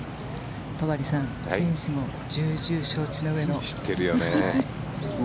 戸張さん選手も重々承知のうえの。